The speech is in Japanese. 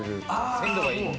鮮度がいいので。